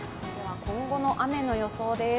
今後の雨の予想です。